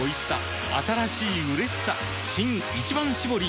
新「一番搾り」